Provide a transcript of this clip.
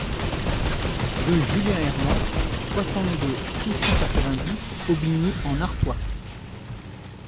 Rue Julien Hermant, soixante-deux, six cent quatre-vingt-dix Aubigny-en-Artois